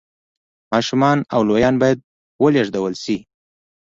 ماشومان او لویان باید ولېږدول شي